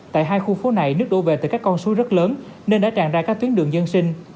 tại hai khu phố này nước đổ về từ các con suối rất lớn nên đã tràn ra các tuyến đường dân sinh